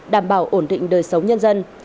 đảm bảo ổn định đời sống nhân dân